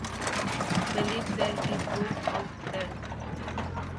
Believe there is good out there.